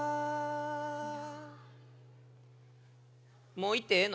もういってええの？